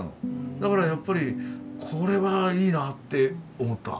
だからやっぱりこれはいいなって思った。